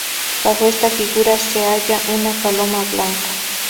Bajo esta figura se halla una paloma blanca.